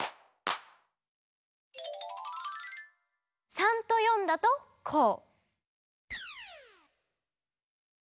３と４だとこう。